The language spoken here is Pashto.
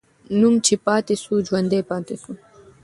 نوم چې پاتې سو، ژوندی پاتې سو.